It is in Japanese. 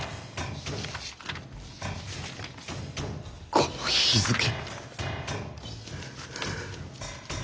この「日付け」。